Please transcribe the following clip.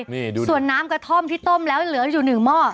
นี่ดูสิส่วนน้ำกระท่อมที่ต้มแล้วเหลืออยู่หนึ่งหม้อ